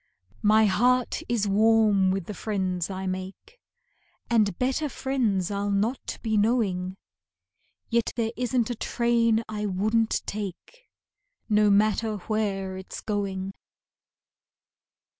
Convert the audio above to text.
My heart is warm with the friends I make, And better friends I'll not be knowing; Yet there isn't a train I wouldn't take, No matter where it's going.